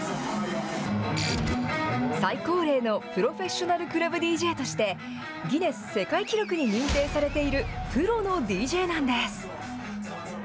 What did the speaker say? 最高齢のプロフェッショナルクラブＤＪとして、ギネス世界記録に認定されているプロのＤＪなんです。